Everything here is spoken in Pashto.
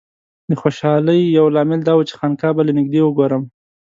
د خوشالۍ یو لامل دا و چې خانقاه به له نږدې وګورم.